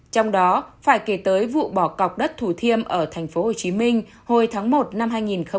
trong đó phải kể tới vụ bỏ cọc đất thủ thiêm ở tp hcm hồi tháng một năm hai nghìn một mươi chín